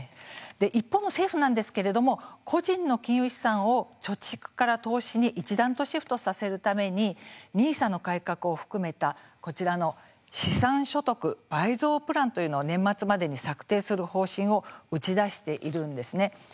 一方の政府なんですけれども個人の金融資産を貯蓄から投資に一段とシフトさせるためにＮＩＳＡの改革を含めたこちらの資産所得倍増プランというのを年末までに策定する方針を打ち出しているんですね。